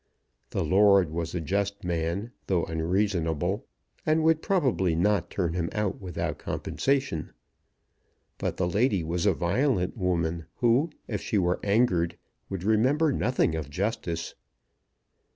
The lord was a just man, though unreasonable, and would probably not turn him out without compensation; but the lady was a violent woman, who if she were angered would remember nothing of justice.